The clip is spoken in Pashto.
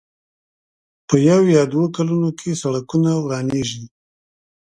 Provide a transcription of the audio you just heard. په يو يا دوو کلونو کې سړکونه ورانېږي.